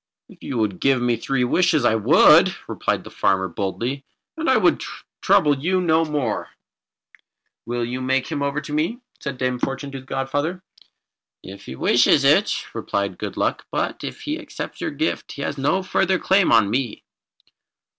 "If you would give me three wishes, I would," replied the farmer boldly, "and I would trouble you no more." "Will you make him over to me?" said Dame Fortune to the godfather. "If he wishes it," replied Good Luck. "But if he accepts your gifts he has no further claim on me."